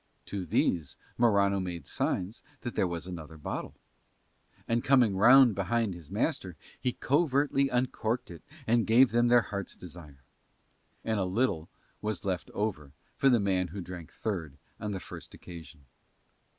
To these Morano made signs that there was another bottle, and, coming round behind his master, he covertly uncorked it and gave them their heart's desire; and a little was left over for the man who drank third on the first occasion.